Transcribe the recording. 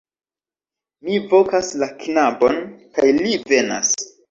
Mi vokas la knabon, kaj li venas.